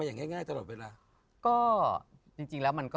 พี่ยังไม่ได้เลิกแต่พี่ยังไม่ได้เลิก